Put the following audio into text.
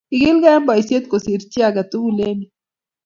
Igiligei eng boisiet kosiir chi age tugul eng yuu